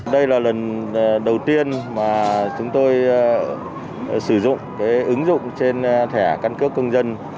đây là lần đầu tiên mà chúng tôi sử dụng ứng dụng trên thẻ căn cước công dân